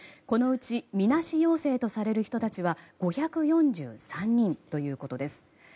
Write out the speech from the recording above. このうちみなし陽性とされる人たちは５４３人ということです。